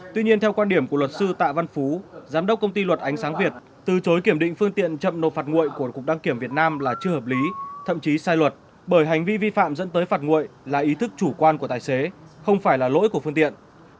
tuy nhiên theo quan điểm của luật sư tạ văn phú giám đốc công ty luật ánh sáng việt từ chối kiểm định phương tiện chậm nộp phạt nguội của cục đăng kiểm việt nam là chưa hợp lý thậm chí sai luật bởi hành vi vi phạm dẫn tới phạt nguội là ý thức chủ quan của tài xế không phải là lỗi của phương tiện